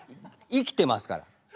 生きてますから。